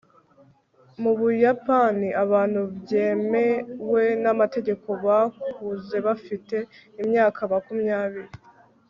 Mu Buyapani abantu byemewe namategeko bakuze bafite imyaka makumyabiri